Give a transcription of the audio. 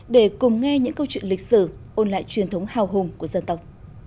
để cùng nghe những câu chuyện lịch sử ôn lại truyền thống hào hùng của dân tộc